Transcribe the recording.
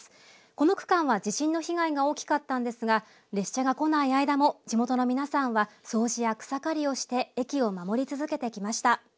この区間は地震の被害が大きかったんですが列車が来ない間も地元の皆さんは掃除や草刈りをして駅を守り続けてきました。